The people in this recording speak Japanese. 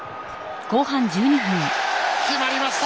決まりました！